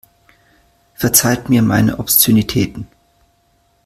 Verzeiht mir meine Obszönitäten.